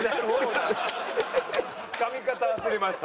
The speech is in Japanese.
「噛み方忘れました」